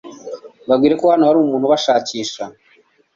Babwire ko hano hari umuntu ubashakisha